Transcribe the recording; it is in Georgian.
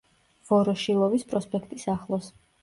ვოროშილოვის პროსპექტის ახლოს.